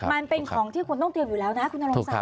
มันเป็นของที่คุณต้องเตรียมอยู่แล้วนะคุณนรงศักดิ